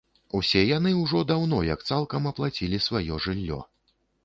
Усе яны ўжо даўно як цалкам аплацілі сваё жыллё.